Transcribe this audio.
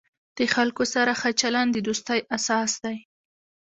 د خلکو سره ښه چلند، د دوستۍ اساس دی.